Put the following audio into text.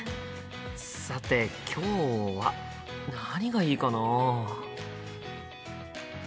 さて今日は何がいいかな？